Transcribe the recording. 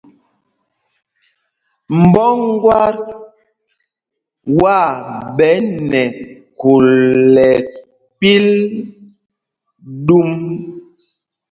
Mbɔ ŋgát waa ɓɛ nɛ khul ɛ́pil ɗum.